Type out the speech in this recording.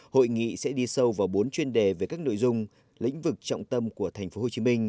hội nghị sẽ đi sâu vào bốn chuyên đề về các nội dung lĩnh vực trọng tâm của tp hcm